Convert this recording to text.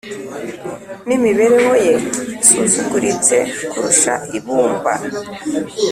n’imibereho ye isuzuguritse kurusha ibumba,